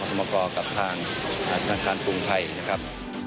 สมกรกับทางธนาคารกรุงไทยนะครับ